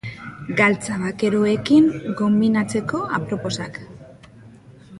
Galtza bakeroekin konbinatzeko aproposak.